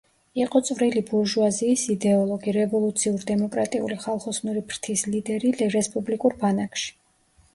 იყო წვრილი ბურჟუაზიის იდეოლოგი, რევოლუციურ-დემოკრატიული ხალხოსნური ფრთის ლიდერი რესპუბლიკურ ბანაკში.